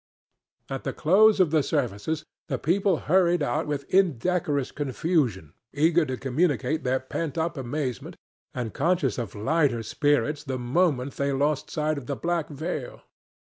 At the close of the services the people hurried out with indecorous confusion, eager to communicate their pent up amazement, and conscious of lighter spirits the moment they lost sight of the black veil.